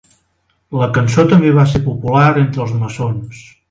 La cançó també va ser popular entre els maçons.